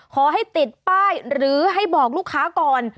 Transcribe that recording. ขอให้ติดป้ายหรือให้บอกลูกค้าก่อน